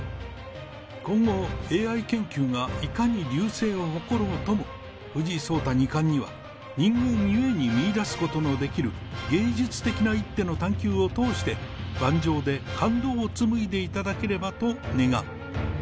今後、ＡＩ研究がいかに隆盛を誇ろうとも、藤井聡太二冠には、人間ゆえに見いだすことのできる、芸術的な一手の探究を通して、盤上で感動を紡いでいただければと願う。